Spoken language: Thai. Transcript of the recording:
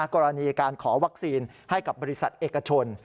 กรณีการขอวัคซีนให้กับบริษัทเอกชน